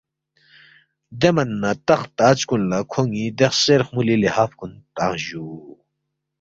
دے من نہ تخت تاج کُن لہ کھون٘ی دے خسیر خمُولی لحاف کُن تنگس جُو